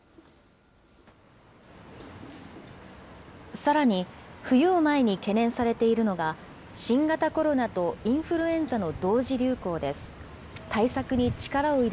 さらに、冬を前に懸念されているのが、新型コロナとインフルエンザの同時流行です。